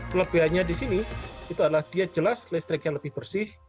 kelebihannya di sini itu adalah dia jelas listriknya lebih bersih